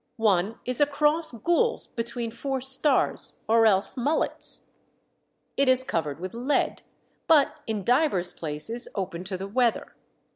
One is a cross gules between four stars, or else mullets. It is covered with lead, but in divers places open to the weather.